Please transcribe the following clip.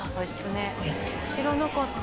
知らなかった。